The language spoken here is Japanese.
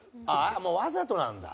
ああもうわざとなんだ？